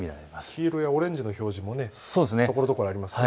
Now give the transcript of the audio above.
黄色やオレンジの表示もところどころありますね。